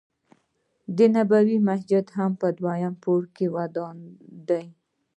دنبوی جومات په دویم پوړ کې ودان دی.